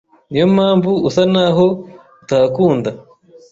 Niyo mpamvu usa naho utahakunda